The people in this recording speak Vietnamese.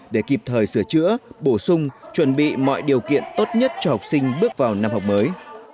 để kịp thời sửa chữa bổ sung chuẩn bị mọi điều kiện tốt nhất cho học sinh bước vào năm học mới